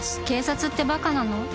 警察ってバカなの？